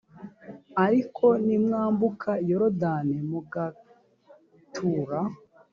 ariko nimwambuka yorodani mugatura